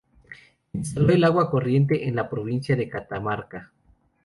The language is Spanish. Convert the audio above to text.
Instaló el agua corriente en la provincia de Catamarca.